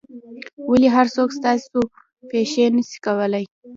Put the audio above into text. ولي هر څوک ستاسو پېښې نه سي کولای؟